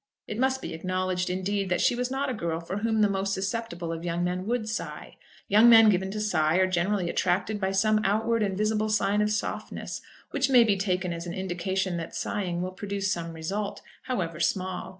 It must be acknowledged, indeed, that she was not a girl for whom the most susceptible of young men would sigh. Young men given to sigh are generally attracted by some outward and visible sign of softness which may be taken as an indication that sighing will produce some result, however small.